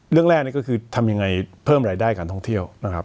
เรื่องแรกนี่ก็คือทำยังไงเพิ่มรายได้การท่องเที่ยวนะครับ